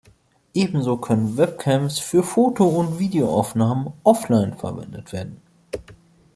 Ebenso können Webcams für Foto- und Videoaufnahmen offline verwendet werden.